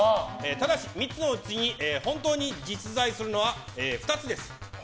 ただし、３つのうち本当に実在するのは２つです。